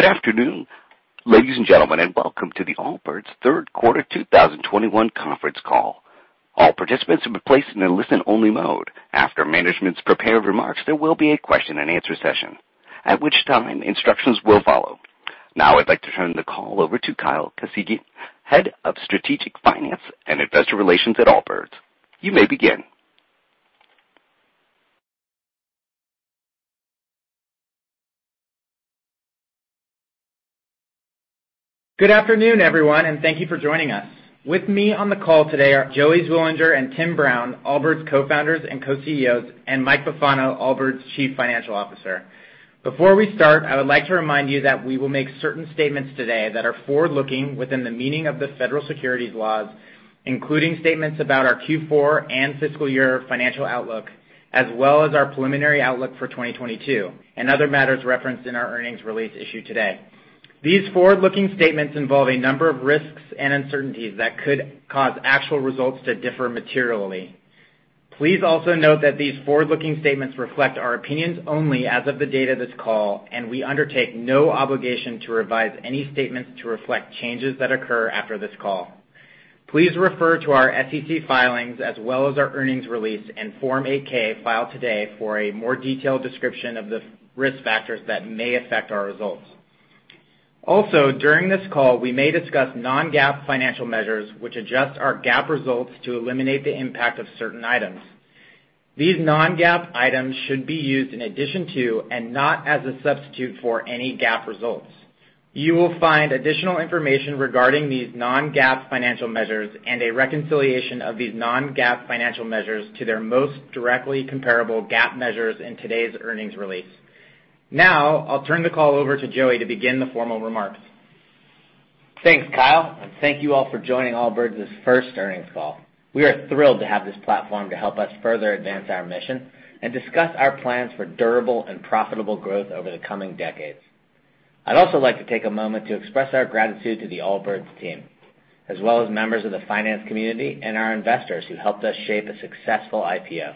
Good afternoon, ladies and gentlemen, and welcome to the Allbirds third quarter 2021 conference call. All participants have been placed in a listen-only mode. After management's prepared remarks, there will be a question-and-answer session, at which time instructions will follow. Now, I'd like to turn the call over to Kyle Khasigian, Head of Strategic Finance and Investor Relations at Allbirds. You may begin. Good afternoon, everyone, and thank you for joining us. With me on the call today are Joey Zwillinger and Tim Brown, Allbirds' co-founders and co-CEOs, and Mike Bufano, Allbirds' Chief Financial Officer. Before we start, I would like to remind you that we will make certain statements today that are forward-looking within the meaning of the federal securities laws, including statements about our Q4 and fiscal year financial outlook, as well as our preliminary outlook for 2022, and other matters referenced in our earnings release issued today. These forward-looking statements involve a number of risks and uncertainties that could cause actual results to differ materially. Please also note that these forward-looking statements reflect our opinions only as of the date of this call, and we undertake no obligation to revise any statements to reflect changes that occur after this call. Please refer to our SEC filings as well as our earnings release and Form 8-K filed today for a more detailed description of the risk factors that may affect our results. Also, during this call, we may discuss non-GAAP financial measures which adjust our GAAP results to eliminate the impact of certain items. These non-GAAP items should be used in addition to and not as a substitute for any GAAP results. You will find additional information regarding these non-GAAP financial measures and a reconciliation of these non-GAAP financial measures to their most directly comparable GAAP measures in today's earnings release. Now, I'll turn the call over to Joey to begin the formal remarks. Thanks, Kyle, and thank you all for joining Allbirds' first earnings call. We are thrilled to have this platform to help us further advance our mission and discuss our plans for durable and profitable growth over the coming decades. I'd also like to take a moment to express our gratitude to the Allbirds team, as well as members of the finance community and our investors who helped us shape a successful IPO.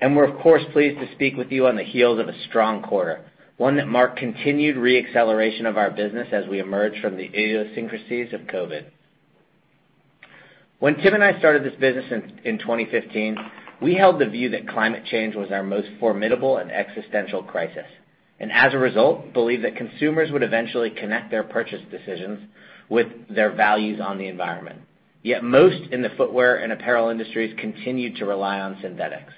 We're of course pleased to speak with you on the heels of a strong quarter, one that marked continued re-acceleration of our business as we emerge from the idiosyncrasies of COVID. When Tim and I started this business in 2015, we held the view that climate change was our most formidable and existential crisis, and as a result, believed that consumers would eventually connect their purchase decisions with their values on the environment. Yet most in the footwear and apparel industries continued to rely on synthetics.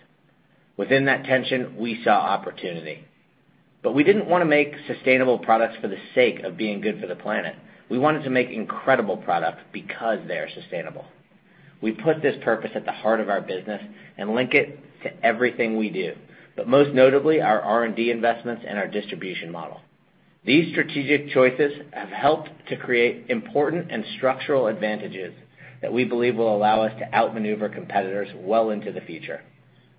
Within that tension, we saw opportunity. We didn't wanna make sustainable products for the sake of being good for the planet. We wanted to make incredible products because they are sustainable. We put this purpose at the heart of our business and link it to everything we do, but most notably, our R&D investments and our distribution model. These strategic choices have helped to create important and structural advantages that we believe will allow us to outmaneuver competitors well into the future.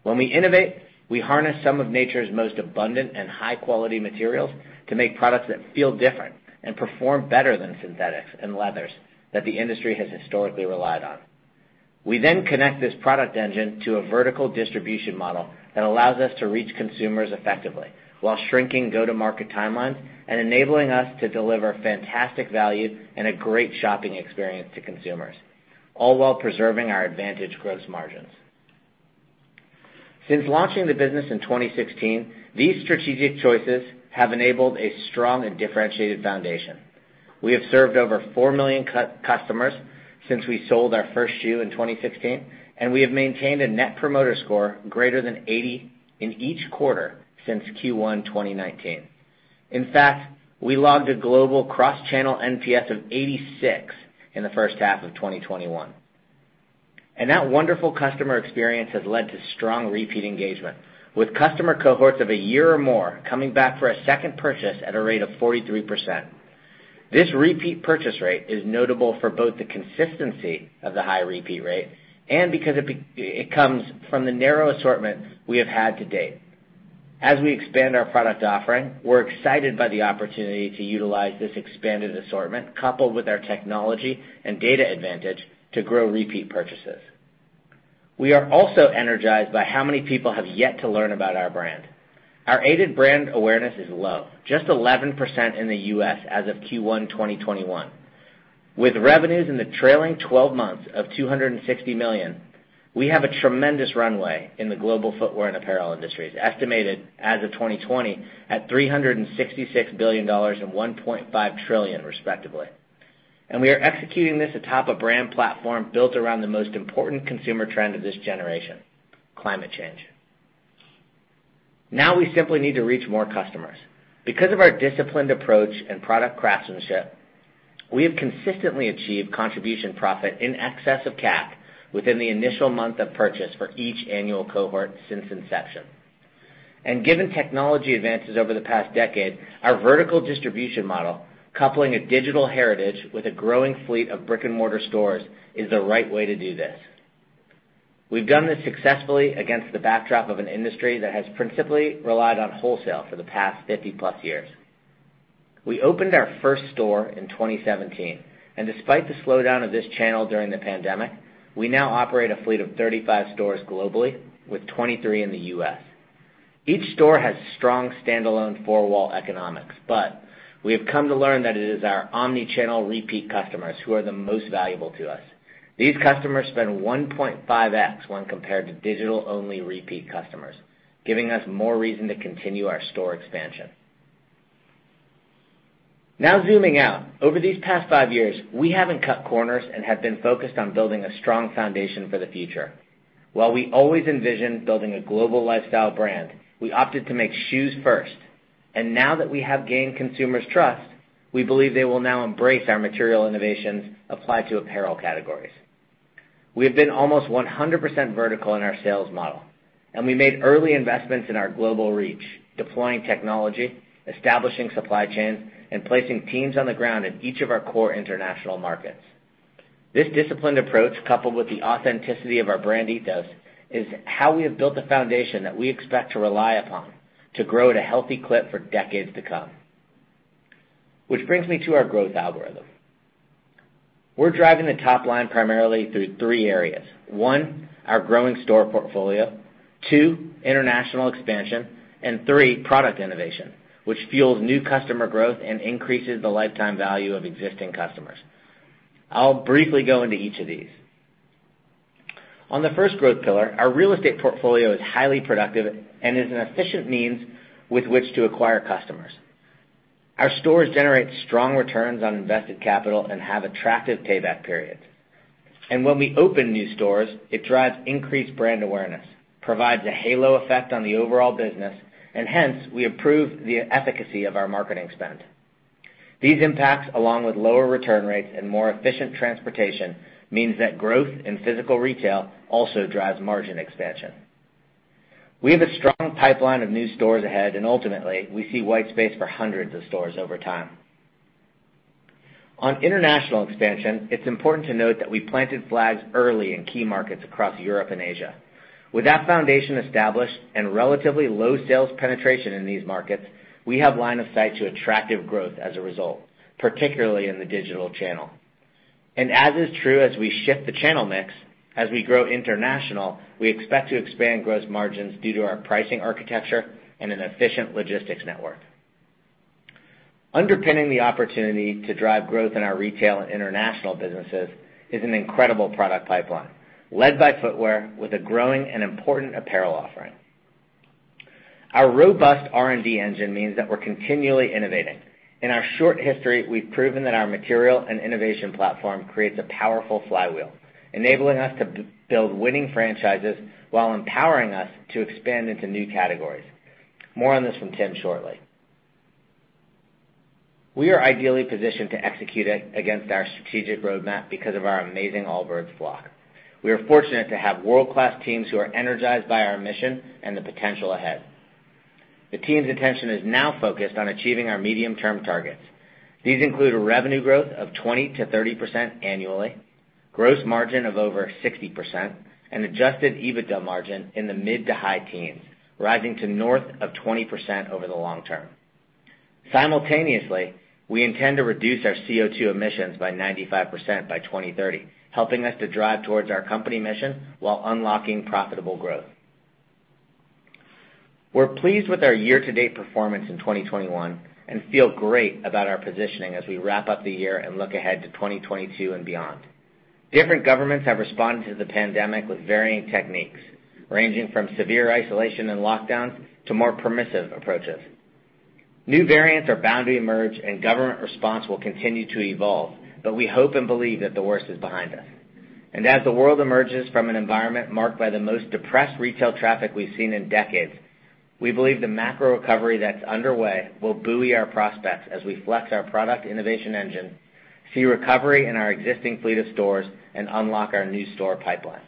When we innovate, we harness some of nature's most abundant and high-quality materials to make products that feel different and perform better than synthetics and leathers that the industry has historically relied on. We then connect this product engine to a vertical distribution model that allows us to reach consumers effectively while shrinking go-to-market timelines and enabling us to deliver fantastic value and a great shopping experience to consumers, all while preserving our advantage gross margins. Since launching the business in 2016, these strategic choices have enabled a strong and differentiated foundation. We have served over 4 million customers since we sold our first shoe in 2016, and we have maintained a net promoter score greater than 80 in each quarter since Q1 2019. In fact, we logged a global cross-channel NPS of 86 in the first half of 2021. That wonderful customer experience has led to strong repeat engagement, with customer cohorts of a year or more coming back for a second purchase at a rate of 43%. This repeat purchase rate is notable for both the consistency of the high repeat rate and because it comes from the narrow assortment we have had to date. As we expand our product offering, we're excited by the opportunity to utilize this expanded assortment coupled with our technology and data advantage to grow repeat purchases. We are also energized by how many people have yet to learn about our brand. Our aided brand awareness is low, just 11% in the U.S. as of Q1 2021. With revenues in the trailing twelve months of $260 million, we have a tremendous runway in the global footwear and apparel industries, estimated as of 2020 at $366 billion and $1.5 trillion, respectively. We are executing this atop a brand platform built around the most important consumer trend of this generation: climate change. Now we simply need to reach more customers. Because of our disciplined approach and product craftsmanship, we have consistently achieved contribution profit in excess of CAC within the initial month of purchase for each annual cohort since inception. Given technology advances over the past decade, our vertical distribution model, coupling a digital heritage with a growing fleet of brick-and-mortar stores, is the right way to do this. We've done this successfully against the backdrop of an industry that has principally relied on wholesale for the past 50+ years. We opened our first store in 2017, and despite the slowdown of this channel during the pandemic, we now operate a fleet of 35 stores globally, with 23 in the U.S. Each store has strong standalone four-wall economics, but we have come to learn that it is our omni-channel repeat customers who are the most valuable to us. These customers spend 1.5x when compared to digital-only repeat customers, giving us more reason to continue our store expansion. Now zooming out, over these past five years, we haven't cut corners and have been focused on building a strong foundation for the future. While we always envisioned building a global lifestyle brand, we opted to make shoes first. Now that we have gained consumers' trust, we believe they will now embrace our material innovations applied to apparel categories. We have been almost 100% vertical in our sales model, and we made early investments in our global reach, deploying technology, establishing supply chains, and placing teams on the ground in each of our core international markets. This disciplined approach, coupled with the authenticity of our brand ethos, is how we have built a foundation that we expect to rely upon to grow at a healthy clip for decades to come. Which brings me to our growth algorithm. We're driving the top line primarily through three areas. One, our growing store portfolio, two, international expansion, and three, product innovation, which fuels new customer growth and increases the lifetime value of existing customers. I'll briefly go into each of these. On the first growth pillar, our real estate portfolio is highly productive and is an efficient means with which to acquire customers. Our stores generate strong returns on invested capital and have attractive payback periods. When we open new stores, it drives increased brand awareness, provides a halo effect on the overall business, and hence, we improve the efficacy of our marketing spend. These impacts, along with lower return rates and more efficient transportation, means that growth in physical retail also drives margin expansion. We have a strong pipeline of new stores ahead, and ultimately, we see white space for hundreds of stores over time. On international expansion, it's important to note that we planted flags early in key markets across Europe and Asia. With that foundation established and relatively low sales penetration in these markets, we have line of sight to attractive growth as a result, particularly in the digital channel. As is true as we shift the channel mix, as we grow international, we expect to expand gross margins due to our pricing architecture and an efficient logistics network. Underpinning the opportunity to drive growth in our retail and international businesses is an incredible product pipeline led by footwear with a growing and important apparel offering. Our robust R&D engine means that we're continually innovating. In our short history, we've proven that our material and innovation platform creates a powerful flywheel, enabling us to build winning franchises while empowering us to expand into new categories. More on this from Tim shortly. We are ideally positioned to execute against our strategic roadmap because of our amazing Allbirds flock. We are fortunate to have world-class teams who are energized by our mission and the potential ahead. The team's attention is now focused on achieving our medium-term targets. These include a revenue growth of 20%-30% annually, gross margin of over 60%, and adjusted EBITDA margin in the mid- to high teens, rising to north of 20% over the long term. Simultaneously, we intend to reduce our CO2 emissions by 95% by 2030, helping us to drive towards our company mission while unlocking profitable growth. We're pleased with our year-to-date performance in 2021 and feel great about our positioning as we wrap up the year and look ahead to 2022 and beyond. Different governments have responded to the pandemic with varying techniques, ranging from severe isolation and lockdowns to more permissive approaches. New variants are bound to emerge, and government response will continue to evolve, but we hope and believe that the worst is behind us. As the world emerges from an environment marked by the most depressed retail traffic we've seen in decades, we believe the macro recovery that's underway will buoy our prospects as we flex our product innovation engine, see recovery in our existing fleet of stores, and unlock our new store pipeline.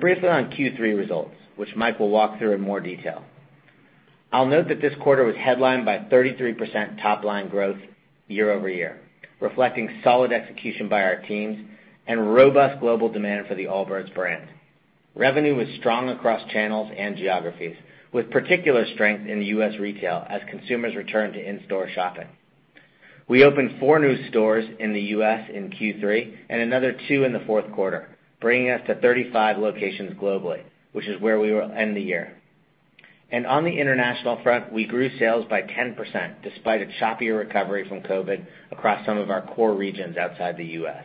Briefly on Q3 results, which Mike will walk through in more detail. I'll note that this quarter was headlined by 33% top-line growth year-over-year, reflecting solid execution by our teams and robust global demand for the Allbirds brand. Revenue was strong across channels and geographies, with particular strength in U.S. retail as consumers returned to in-store shopping. We opened four new stores in the U.S. in Q3 and another two in the fourth quarter, bringing us to 35 locations globally, which is where we will end the year. On the international front, we grew sales by 10% despite a choppier recovery from COVID across some of our core regions outside the U.S.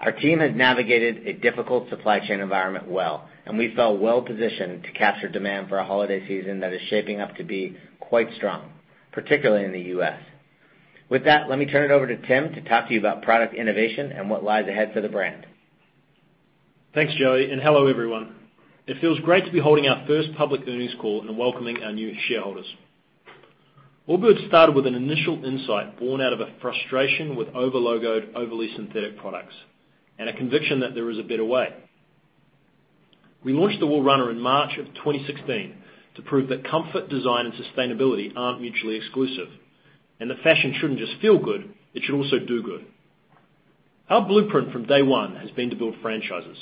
Our team has navigated a difficult supply chain environment well, and we felt well-positioned to capture demand for a holiday season that is shaping up to be quite strong, particularly in the U.S. With that, let me turn it over to Tim to talk to you about product innovation and what lies ahead for the brand. Thanks, Joey, and hello, everyone. It feels great to be holding our first public earnings call and welcoming our new shareholders. Allbirds started with an initial insight born out of a frustration with over-logoed, overly synthetic products and a conviction that there is a better way. We launched the Wool Runner in March 2016 to prove that comfort, design, and sustainability aren't mutually exclusive, and that fashion shouldn't just feel good, it should also do good. Our blueprint from day one has been to build franchises.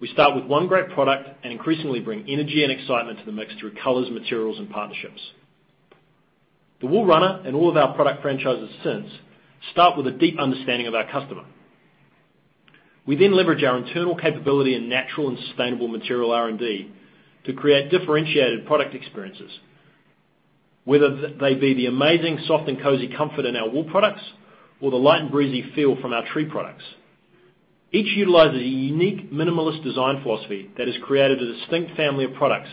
We start with one great product and increasingly bring energy and excitement to the mix through colors, materials, and partnerships. The Wool Runner and all of our product franchises since start with a deep understanding of our customer. We leverage our internal capability in natural and sustainable material R&D to create differentiated product experiences, whether they be the amazing soft and cozy comfort in our wool products or the light and breezy feel from our tree products. Each utilizes a unique minimalist design philosophy that has created a distinct family of products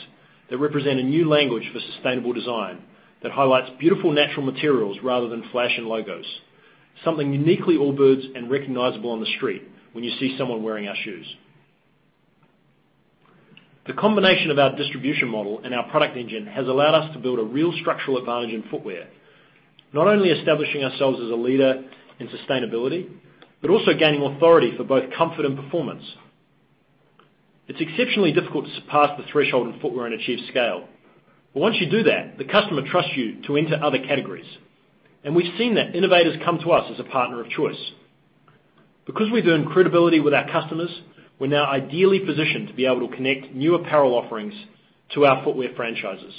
that represent a new language for sustainable design that highlights beautiful natural materials rather than flash and logos, something uniquely Allbirds and recognizable on the street when you see someone wearing our shoes. The combination of our distribution model and our product engine has allowed us to build a real structural advantage in footwear, not only establishing ourselves as a leader in sustainability but also gaining authority for both comfort and performance. It's exceptionally difficult to surpass the threshold in footwear and achieve scale, but once you do that, the customer trusts you to enter other categories, and we've seen that. Innovators come to us as a partner of choice. Because we've earned credibility with our customers, we're now ideally positioned to be able to connect new apparel offerings to our footwear franchises.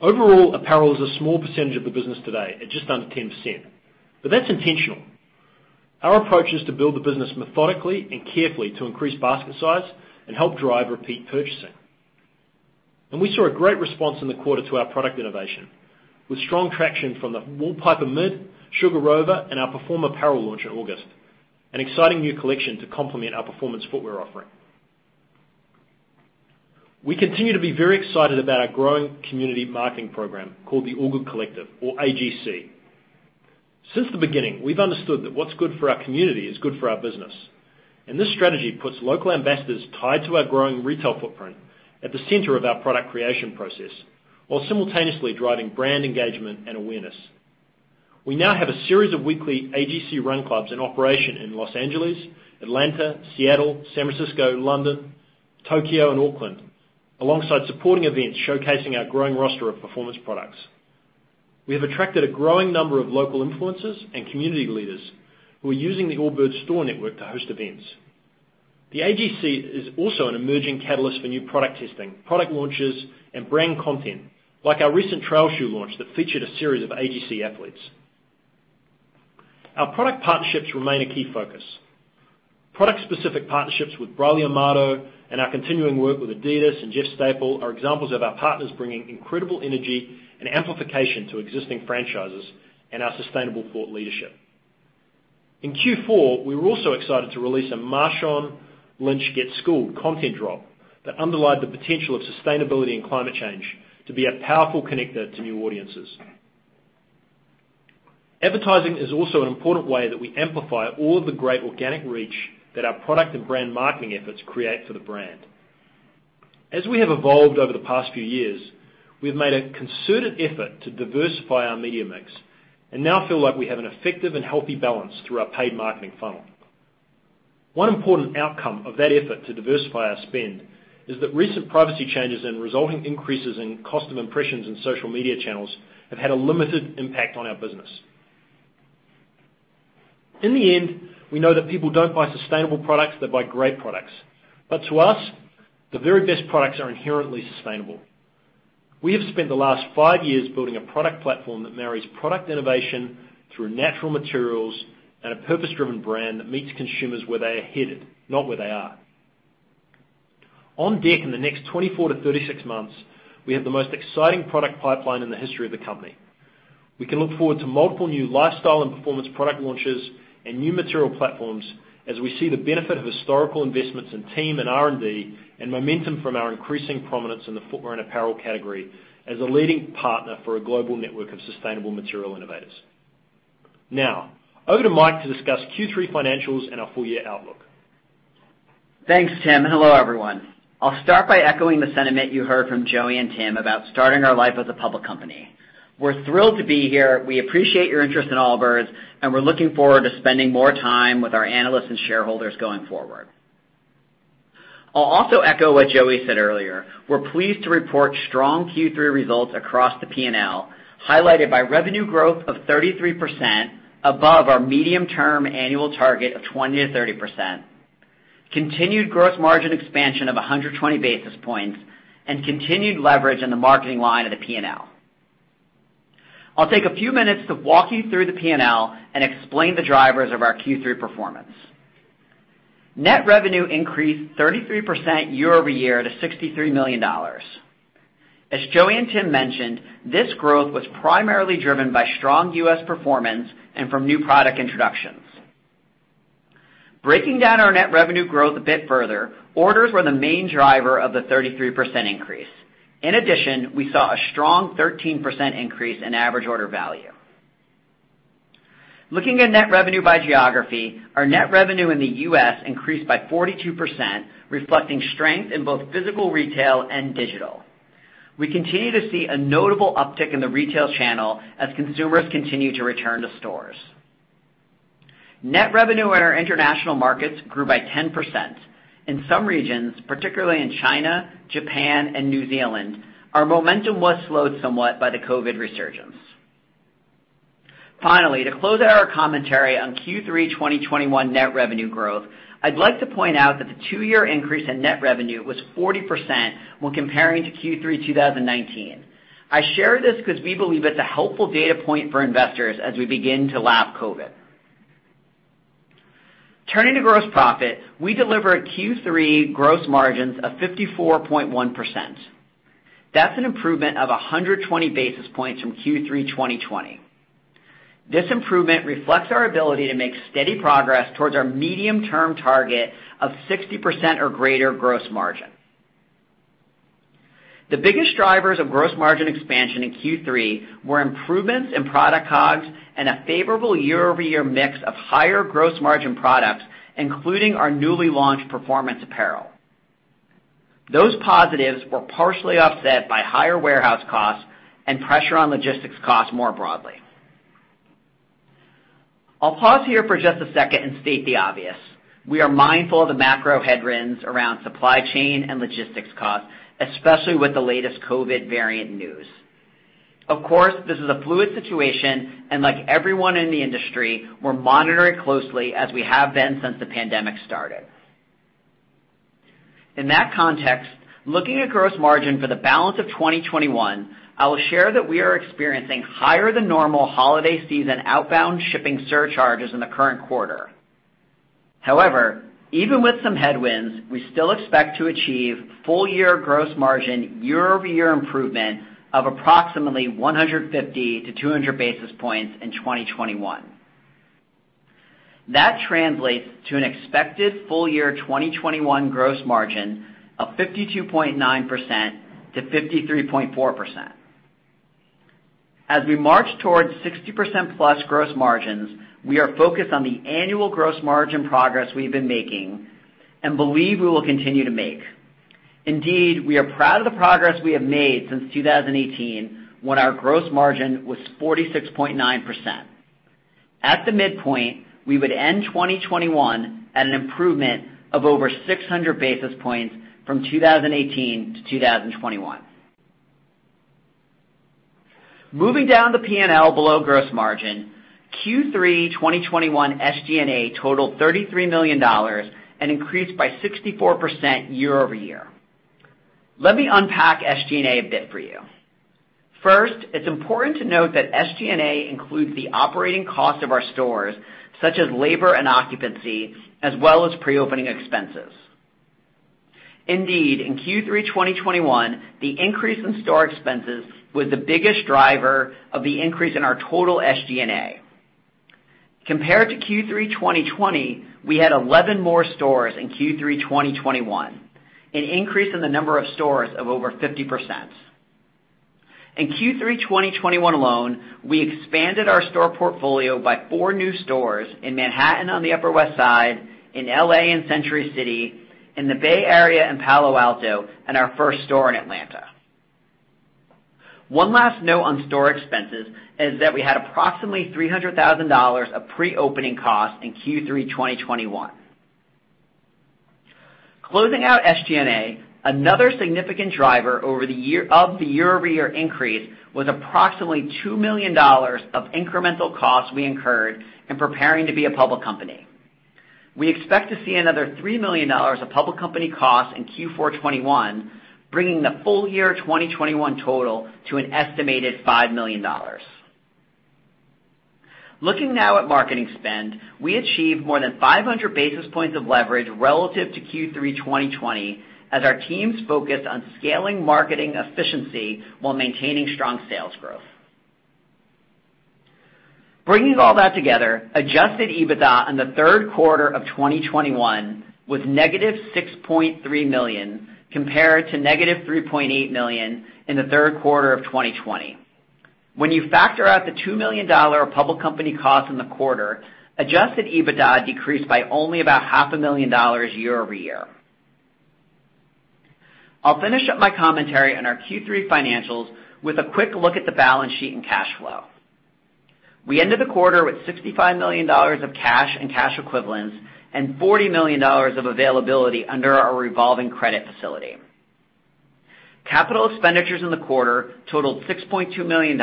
Overall, apparel is a small percentage of the business today at just under 10%, but that's intentional. Our approach is to build the business methodically and carefully to increase basket size and help drive repeat purchasing. We saw a great response in the quarter to our product innovation, with strong traction from the Wool Piper Mid, Sugar Rover, and our Perform apparel launch in August, an exciting new collection to complement our performance footwear offering. We continue to be very excited about our growing community marketing program called the Allgood Collective or AGC. Since the beginning, we've understood that what's good for our community is good for our business, and this strategy puts local ambassadors tied to our growing retail footprint at the center of our product creation process while simultaneously driving brand engagement and awareness. We now have a series of weekly AGC run clubs in operation in Los Angeles, Atlanta, Seattle, San Francisco, London, Tokyo, and Auckland, alongside supporting events showcasing our growing roster of performance products. We have attracted a growing number of local influencers and community leaders who are using the Allbirds store network to host events. The AGC is also an emerging catalyst for new product testing, product launches, and brand content, like our recent trail shoe launch that featured a series of AGC athletes. Our product partnerships remain a key focus. Product-specific partnerships with Bráulio Amado and our continuing work with adidas and Jeff Staple are examples of our partners bringing incredible energy and amplification to existing franchises and our sustainable thought leadership. In Q4, we were also excited to release a Marshawn Lynch Get Schooled content drop that underlined the potential of sustainability and climate change to be a powerful connector to new audiences. Advertising is also an important way that we amplify all of the great organic reach that our product and brand marketing efforts create for the brand. As we have evolved over the past few years, we have made a concerted effort to diversify our media mix and now feel like we have an effective and healthy balance through our paid marketing funnel. One important outcome of that effort to diversify our spend is that recent privacy changes and resulting increases in cost of impressions in social media channels have had a limited impact on our business. In the end, we know that people don't buy sustainable products, they buy great products. To us, the very best products are inherently sustainable. We have spent the last five years building a product platform that marries product innovation through natural materials and a purpose-driven brand that meets consumers where they're headed, not where they are. On deck in the next 24-36 months, we have the most exciting product pipeline in the history of the company. We can look forward to multiple new lifestyle and performance product launches and new material platforms as we see the benefit of historical investments in team and R&D and momentum from our increasing prominence in the footwear and apparel category as a leading partner for a global network of sustainable material innovators. Now, over to Mike to discuss Q3 financials and our full year outlook. Thanks, Tim, and hello, everyone. I'll start by echoing the sentiment you heard from Joey and Tim about starting our life as a public company. We're thrilled to be here. We appreciate your interest in Allbirds, and we're looking forward to spending more time with our analysts and shareholders going forward. I'll also echo what Joey said earlier. We're pleased to report strong Q3 results across the P&L, highlighted by revenue growth of 33% above our medium-term annual target of 20%-30%, continued gross margin expansion of 120 basis points, and continued leverage in the marketing line of the P&L. I'll take a few minutes to walk you through the P&L and explain the drivers of our Q3 performance. Net revenue increased 33% year-over-year to $63 million. As Joey and Tim mentioned, this growth was primarily driven by strong U.S. performance and from new product introductions. Breaking down our net revenue growth a bit further, orders were the main driver of the 33% increase. In addition, we saw a strong 13% increase in average order value. Looking at net revenue by geography, our net revenue in the U.S. increased by 42%, reflecting strength in both physical retail and digital. We continue to see a notable uptick in the retail channel as consumers continue to return to stores. Net revenue in our international markets grew by 10%. In some regions, particularly in China, Japan, and New Zealand, our momentum was slowed somewhat by the COVID resurgence. Finally, to close out our commentary on Q3 2021 net revenue growth, I'd like to point out that the two-year increase in net revenue was 40% when comparing to Q3 2019. I share this because we believe it's a helpful data point for investors as we begin to lap COVID. Turning to gross profit, we delivered Q3 gross margins of 54.1%. That's an improvement of 120 basis points from Q3 2020. This improvement reflects our ability to make steady progress towards our medium-term target of 60% or greater gross margin. The biggest drivers of gross margin expansion in Q3 were improvements in product COGS and a favorable year-over-year mix of higher gross margin products, including our newly launched performance apparel. Those positives were partially offset by higher warehouse costs and pressure on logistics costs more broadly. I'll pause here for just a second and state the obvious. We are mindful of the macro headwinds around supply chain and logistics costs, especially with the latest COVID variant news. Of course, this is a fluid situation, and like everyone in the industry, we're monitoring closely as we have been since the pandemic started. In that context, looking at gross margin for the balance of 2021, I will share that we are experiencing higher than normal holiday season outbound shipping surcharges in the current quarter. However, even with some headwinds, we still expect to achieve full year gross margin year-over-year improvement of approximately 150-200 basis points in 2021. That translates to an expected full year 2021 gross margin of 52.9%-53.4%. As we march towards 60%+ gross margins, we are focused on the annual gross margin progress we've been making and believe we will continue to make. Indeed, we are proud of the progress we have made since 2018, when our gross margin was 46.9%. At the midpoint, we would end 2021 at an improvement of over 600 basis points from 2018 to 2021. Moving down the P&L below gross margin, Q3 2021 SG&A totaled $33 million and increased by 64% year-over-year. Let me unpack SG&A a bit for you. First, it's important to note that SG&A includes the operating cost of our stores, such as labor and occupancy, as well as pre-opening expenses. Indeed, in Q3 2021, the increase in store expenses was the biggest driver of the increase in our total SG&A. Compared to Q3 2020, we had 11 more stores in Q3 2021, an increase in the number of stores of over 50%. In Q3 2021 alone, we expanded our store portfolio by four new stores in Manhattan on the Upper West Side, in L.A. in Century City, in the Bay Area in Palo Alto, and our first store in Atlanta. One last note on store expenses is that we had approximately $300,000 of pre-opening costs in Q3 2021. Closing out SG&A, another significant driver over the year of the year-over-year increase was approximately $2 million of incremental costs we incurred in preparing to be a public company. We expect to see another $3 million of public company costs in Q4 2021, bringing the full year 2021 total to an estimated $5 million. Looking now at marketing spend, we achieved more than 500 basis points of leverage relative to Q3 2020 as our teams focused on scaling marketing efficiency while maintaining strong sales growth. Bringing all that together, adjusted EBITDA in the third quarter of 2021 was negative $6.3 million compared to negative $3.8 million in the third quarter of 2020. When you factor out the $2 million of public company costs in the quarter, adjusted EBITDA decreased by only about half a million dollars year-over-year. I'll finish up my commentary on our Q3 financials with a quick look at the balance sheet and cash flow. We ended the quarter with $65 million of cash and cash equivalents and $40 million of availability under our revolving credit facility. Capital expenditures in the quarter totaled $6.2 million,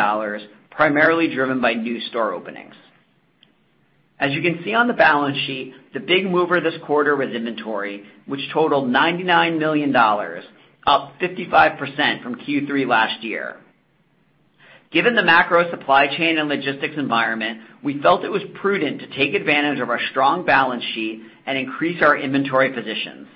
primarily driven by new store openings. As you can see on the balance sheet, the big mover this quarter was inventory, which totaled $99 million, up 55% from Q3 last year. Given the macro supply chain and logistics environment, we felt it was prudent to take advantage of our strong balance sheet and increase our inventory positions.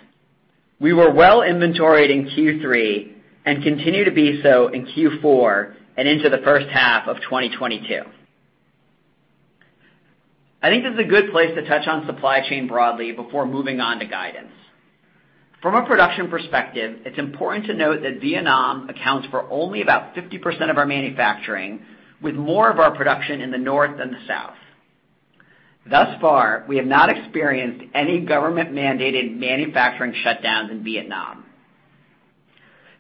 We were well inventoried in Q3 and continue to be so in Q4 and into the first half of 2022. I think this is a good place to touch on supply chain broadly before moving on to guidance. From a production perspective, it's important to note that Vietnam accounts for only about 50% of our manufacturing, with more of our production in the North than the South. Thus far, we have not experienced any government-mandated manufacturing shutdowns in Vietnam.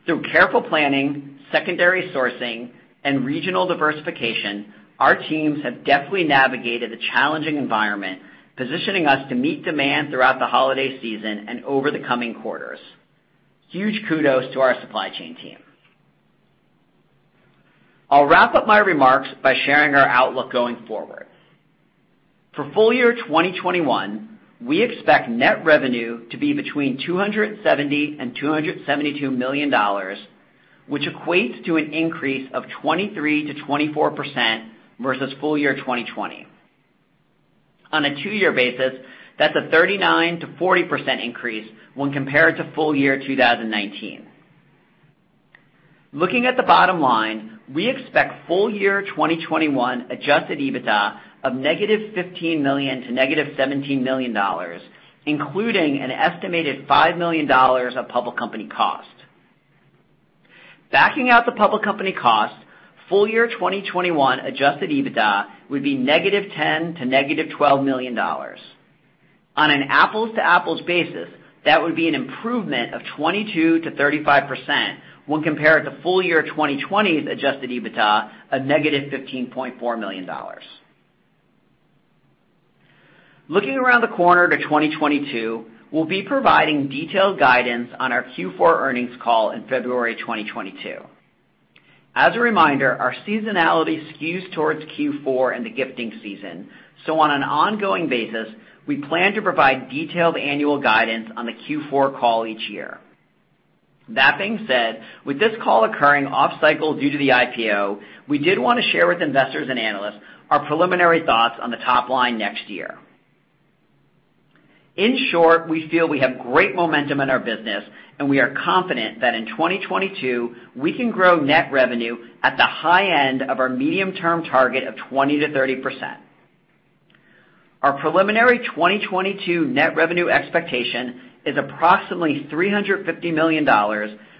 Through careful planning, secondary sourcing, and regional diversification, our teams have deftly navigated a challenging environment, positioning us to meet demand throughout the holiday season and over the coming quarters. Huge kudos to our supply chain team. I'll wrap up my remarks by sharing our outlook going forward. For full year 2021, we expect net revenue to be between $270 million and $272 million, which equates to an increase of 23%-24% versus full year 2020. On a two-year basis, that's a 39%-40% increase when compared to full year 2019. Looking at the bottom line, we expect full year 2021 adjusted EBITDA of -$15 million to -$17 million, including an estimated $5 million of public company costs. Backing out the public company costs, full year 2021 adjusted EBITDA would be negative $10 million-negative $12 million. On an apples-to-apples basis, that would be an improvement of 22%-35% when compared to full year 2020's adjusted EBITDA of negative $15.4 million. Looking around the corner to 2022, we'll be providing detailed guidance on our Q4 earnings call in February 2022. As a reminder, our seasonality skews towards Q4 and the gifting season. On an ongoing basis, we plan to provide detailed annual guidance on the Q4 call each year. That being said, with this call occurring off cycle due to the IPO, we did wanna share with investors and analysts our preliminary thoughts on the top line next year. In short, we feel we have great momentum in our business, and we are confident that in 2022, we can grow net revenue at the high end of our medium-term target of 20%-30%. Our preliminary 2022 net revenue expectation is approximately $350 million,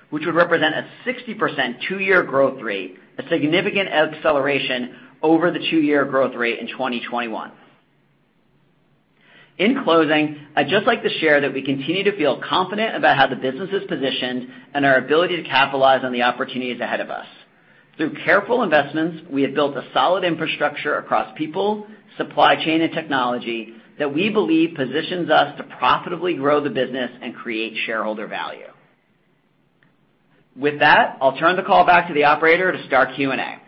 which would represent a 60% two-year growth rate, a significant acceleration over the two-year growth rate in 2021. In closing, I'd just like to share that we continue to feel confident about how the business is positioned and our ability to capitalize on the opportunities ahead of us. Through careful investments, we have built a solid infrastructure across people, supply chain, and technology that we believe positions us to profitably grow the business and create shareholder value. With that, I'll turn the call back to the operator to start Q&A.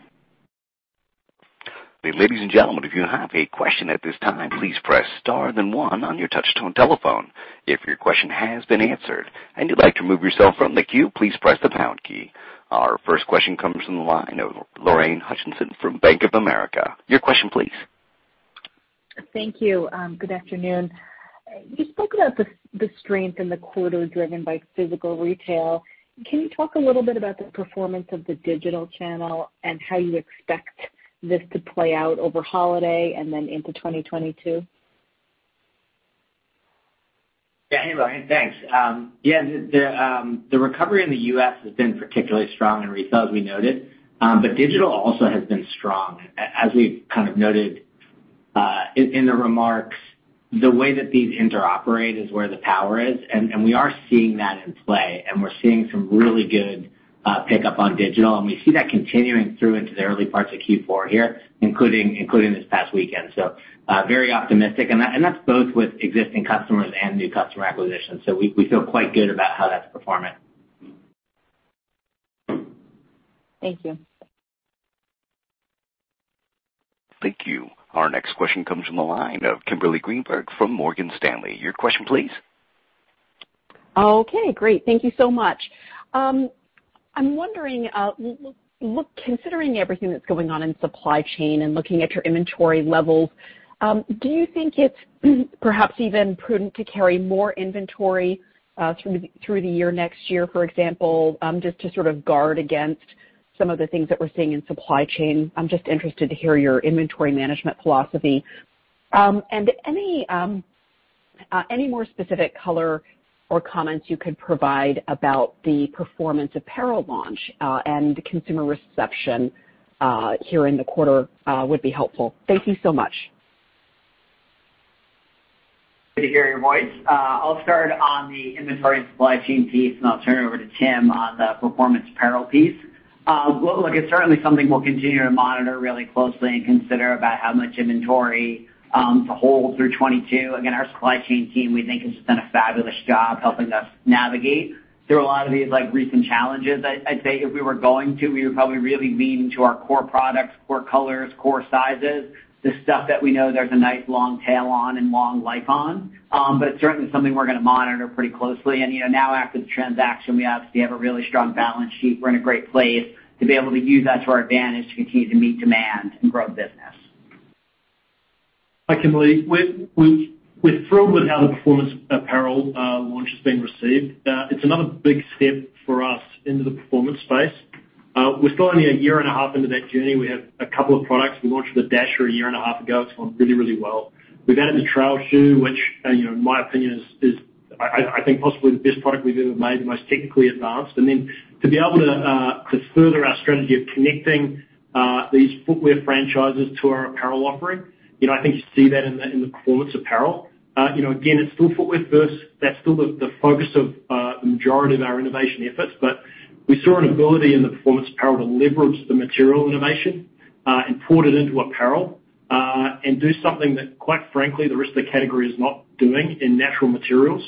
Ladies and gentlemen if you have questions at this time please press star then one on your touch tone telephone. If your question has been answered and would like to remove yourself on the que, please press the pound key. Our first question comes from the line of Lorraine Hutchinson from Bank of America. Your question please. Thank you. Good afternoon. You spoke about the strength in the quarter driven by physical retail. Can you talk a little bit about the performance of the digital channel and how you expect this to play out over holiday and then into 2022? Yeah. Hey, Lorraine, thanks. Yeah, the recovery in the U.S. has been particularly strong in retail, as we noted. Digital also has been strong. As we kind of noted in the remarks, the way that these interoperate is where the power is, and we are seeing that in play, and we're seeing some really good pickup on digital, and we see that continuing through into the early parts of Q4 here, including this past weekend, very optimistic. That's both with existing customers and new customer acquisitions. We feel quite good about how that's performing. Thank you. Thank you. Our next question comes from the line of Kimberly Greenberger from Morgan Stanley. Your question please. Okay, great. Thank you so much. I'm wondering, look, considering everything that's going on in supply chain and looking at your inventory levels, do you think it's perhaps even prudent to carry more inventory through the year next year, for example, just to sort of guard against some of the things that we're seeing in supply chain? I'm just interested to hear your inventory management philosophy. And any more specific color or comments you could provide about the performance apparel launch and consumer reception here in the quarter would be helpful. Thank you so much. Good to hear your voice. I'll start on the inventory and supply chain piece, and I'll turn it over to Tim on the performance apparel piece. Look, it's certainly something we'll continue to monitor really closely and consider about how much inventory to hold through 2022. Again, our supply chain team, we think, has done a fabulous job helping us navigate through a lot of these, like, recent challenges. I'd say if we were going to, we would probably really lean into our core products, core colors, core sizes, the stuff that we know there's a nice long tail on and long life on. But certainly something we're gonna monitor pretty closely. You know, now after the transaction, we obviously have a really strong balance sheet. We're in a great place to be able to use that to our advantage to continue to meet demand and grow the business. Hi, Kimberly. We're thrilled with how the performance apparel launch has been received. It's another big step for us into the performance space. We're still only a year and a half into that journey. We have a couple of products. We launched the Dasher a year and a half ago. It's gone really, really well. We've added the trail shoe, which, you know, in my opinion is, I think possibly the best product we've ever made, the most technically advanced. Then to be able to further our strategy of connecting these footwear franchises to our apparel offering, you know, I think you see that in the performance apparel. You know, again, it's still footwear first. That's still the focus of the majority of our innovation efforts, but We saw an ability in the performance apparel to leverage the material innovation, import it into apparel, and do something that quite frankly, the rest of the category is not doing in natural materials.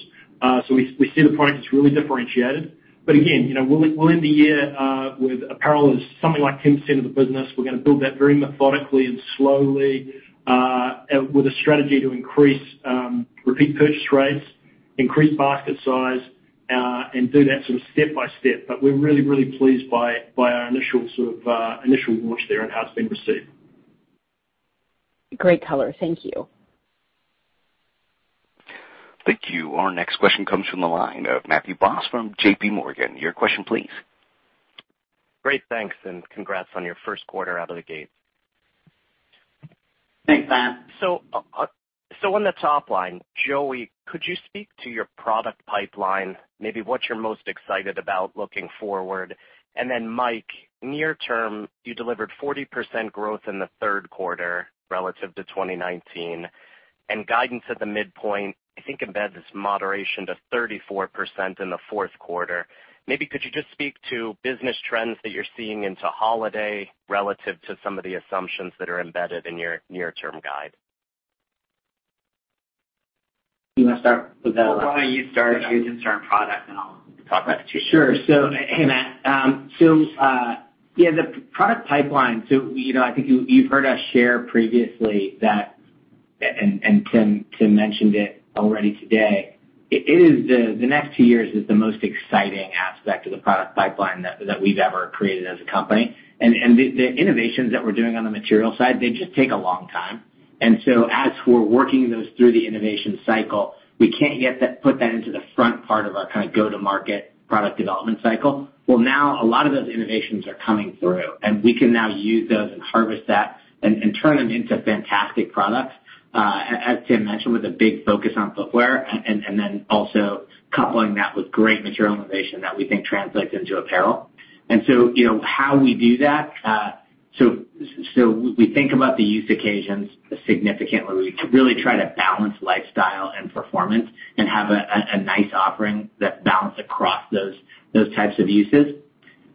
We see the product as really differentiated. Again, you know, we'll end the year with apparel as something like 10% of the business. We're gonna build that very methodically and slowly with a strategy to increase repeat purchase rates, increase basket size, and do that sort of step-by-step. We're really pleased by our initial launch there and how it's been received. Great color. Thank you. Thank you. Our next question comes from the line of Matthew Boss from JPMorgan. Your question please. Great. Thanks, and congrats on your first quarter out of the gate. Thanks, Matt. On the top line, Joey, could you speak to your product pipeline, maybe what you're most excited about looking forward? Mike, near term, you delivered 40% growth in the third quarter relative to 2019. Guidance at the midpoint, I think embeds this moderation to 34% in the fourth quarter. Maybe could you just speak to business trends that you're seeing into holiday relative to some of the assumptions that are embedded in your near-term guide? You wanna start with that one? Why don't you start using certain product, and I'll talk about it too. Sure. Hey, Matthew. The product pipeline, you know, I think you've heard us share previously that Tim mentioned it already today. It is the next two years is the most exciting aspect of the product pipeline that we've ever created as a company. The innovations that we're doing on the material side, they just take a long time. As we're working those through the innovation cycle, we can't yet put that into the front part of our kinda go-to-market product development cycle. Well, now a lot of those innovations are coming through, and we can now use those and harvest that and turn them into fantastic products. As Tim mentioned, with a big focus on footwear and then also coupling that with great material innovation that we think translates into apparel. You know, how we do that, so we think about the use occasions significantly. We really try to balance lifestyle and performance and have a nice offering that balance across those types of uses.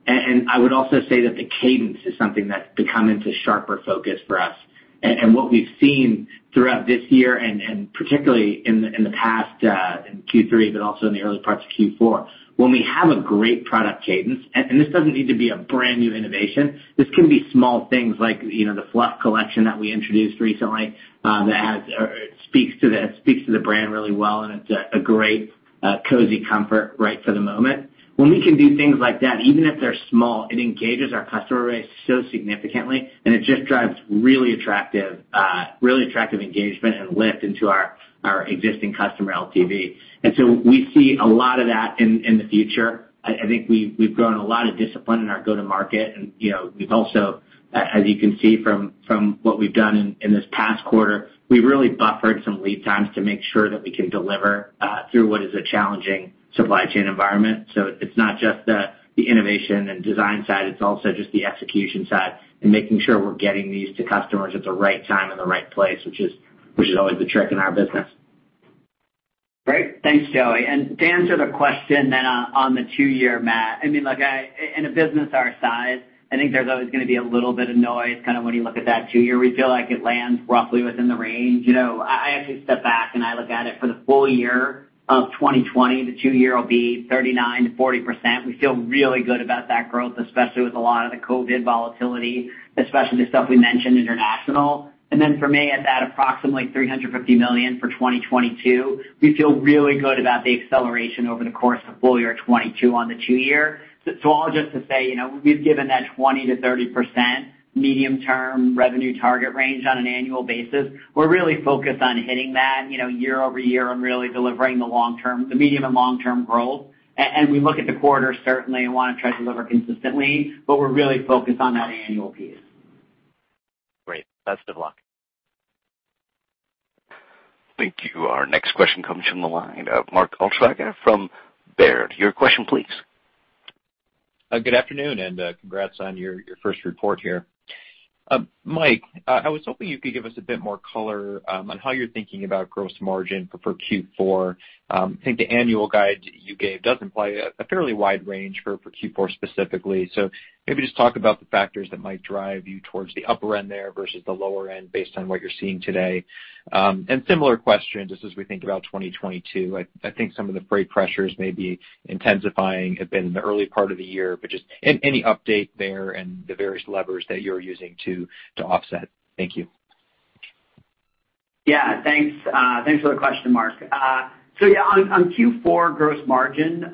I would also say that the cadence is something that's come into sharper focus for us. What we've seen throughout this year and particularly in the past in Q3, but also in the early parts of Q4, when we have a great product cadence, and this doesn't need to be a brand-new innovation, this can be small things like, you know, the Fluff Collection that we introduced recently, that speaks to the brand really well, and it's a great cozy comfort right for the moment. When we can do things like that, even if they're small, it engages our customer base so significantly, and it just drives really attractive engagement and lift into our existing customer LTV. We see a lot of that in the future. I think we've grown a lot of discipline in our go-to-market. You know, we've also, as you can see from what we've done in this past quarter, we've really buffered some lead times to make sure that we can deliver through what is a challenging supply chain environment. It's not just the innovation and design side, it's also just the execution side and making sure we're getting these to customers at the right time and the right place, which is always the trick in our business. Great. Thanks, Joey. To answer the question then on the two-year, Matt, I mean, look, in a business our size, I think there's always gonna be a little bit of noise kind of when you look at that two-year. We feel like it lands roughly within the range. You know, I actually step back, and I look at it for the full year of 2020, the two-year will be 39%-40%. We feel really good about that growth, especially with a lot of the COVID volatility, especially the stuff we mentioned international. Then for me, at that approximately $350 million for 2022, we feel really good about the acceleration over the course of full year 2022 on the two-year. All just to say, you know, we've given that 20%-30% medium-term revenue target range on an annual basis. We're really focused on hitting that, you know, year-over-year and really delivering the medium- and long-term growth. And we look at the quarter, certainly wanna try to deliver consistently, but we're really focused on that annual piece. Great. Best of luck. Thank you. Our next question comes from the line of Mark Altschwager from Baird. Your question please. Good afternoon, and congrats on your first report here. Mike, I was hoping you could give us a bit more color on how you're thinking about gross margin for Q4. I think the annual guide you gave does imply a fairly wide range for Q4 specifically. Maybe just talk about the factors that might drive you towards the upper end there versus the lower end based on what you're seeing today. Similar question, just as we think about 2022, I think some of the freight pressures may be intensifying a bit in the early part of the year, but just any update there and the various levers that you're using to offset. Thank you. Yeah, thanks. Thanks for the question, Mark. Yeah, on Q4 gross margin,